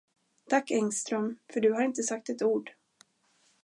Tack, Engström, för du har inte sagt ett ord.